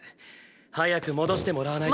早く戻してもらわないと。